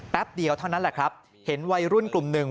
เดียวเท่านั้นแหละครับเห็นวัยรุ่นกลุ่มหนึ่ง